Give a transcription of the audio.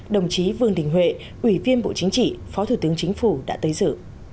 đồng chí vương đình huệ ủy viên bộ chính trị phó thủ tướng chính phủ đã tới dự